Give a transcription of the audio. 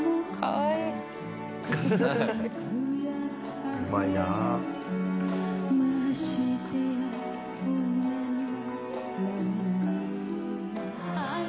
うまいなあ。